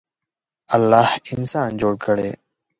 الله انسان جوړ کړی.